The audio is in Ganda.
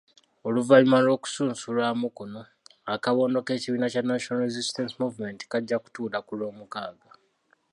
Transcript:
Oluvannyuma lw’okusunsulwamu kuno, akabondo k’ekibiina kya National Resistance Movement kajja kutuula ku Lwomukaaga.